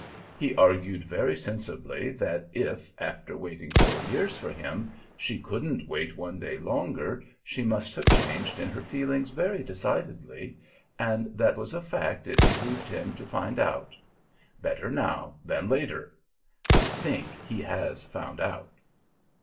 He argued very sensibly that if, after waiting four years for him, she couldn't wait one day longer, she must have changed in her feelings very decidedly, and that was a fact it behooved him to find out. Better now than later. I think he has found out.